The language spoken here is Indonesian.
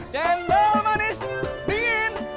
dendol manis dingin